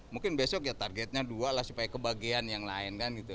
mungkin besok ya targetnya dua lah supaya kebagian yang lain kan gitu